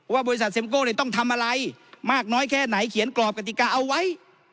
บริษัทเมโก้ต้องทำอะไรมากน้อยแค่ไหนเขียนกรอบกติกาเอาไว้